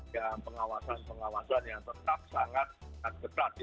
yang pengawasan pengawasan yang tetap sangat ketat